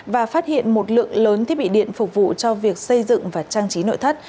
và phát hiện một lượng lớn thiết bị điện phục vụ cho việc xây dựng và trang trí nội thất